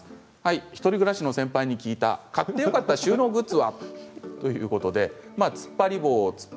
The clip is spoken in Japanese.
１人暮らしの先輩に聞いて買ってよかった収納グッズ。